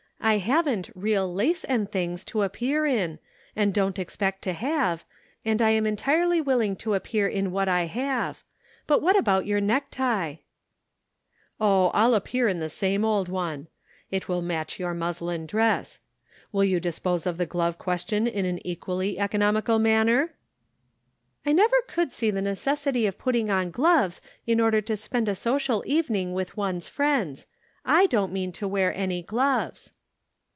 I haven't 'real lace and things' to appear in, and don't expect to have, and I am entirety willing to appear in what I have ; but what about your neck tie ?"" Oh, I'll appear in the old one ; it will match your muslin dress. Shall you dispose of the glove question in an equally econom ical manner ?" "I never could see the necessity of putting on gloves in order to spend a social evening with one's friends. 7 don't mean to wear any gloves."